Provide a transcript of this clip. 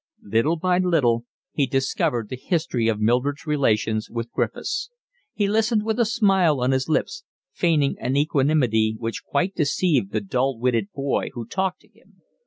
Little by little he discovered the history of Mildred's relations with Griffiths. He listened with a smile on his lips, feigning an equanimity which quite deceived the dull witted boy who talked to him.